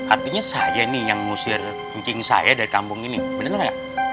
artinya saya nih yang ngusir kencing saya dari kampung ini bener gak